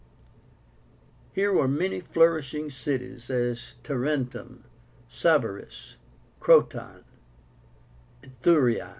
Here were many flourishing cities, as Tarentum, Sybaris, Croton, and Thurii.